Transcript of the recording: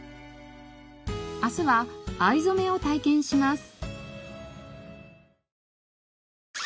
明日は藍染を体験します。